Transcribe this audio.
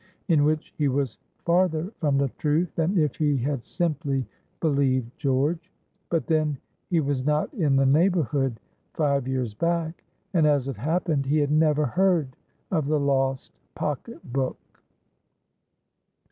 In which he was farther from the truth than if he had simply believed George. But then he was not in the neighborhood five years back, and, as it happened, he had never heard of the lost pocket book.